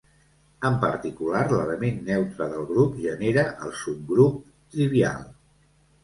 En particular, l'element neutre del grup genera el subgrup trivial.